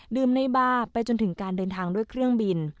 ในบาร์ไปจนถึงการเดินทางด้วยเครื่องบิน